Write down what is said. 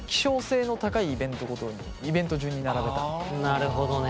なるほどね。